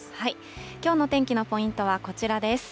きょうの天気のポイントはこちらです。